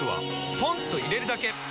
ポンと入れるだけ！